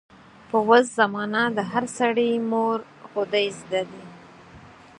په اوس زمانه د هر سړي مورغودۍ زده دي.